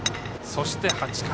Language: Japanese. そして、８回。